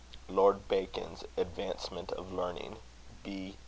LORD BACON'S Advancement of Learning, b.